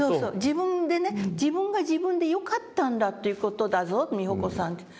自分でね「自分が自分でよかったんだという事だぞ美穂子さん」って。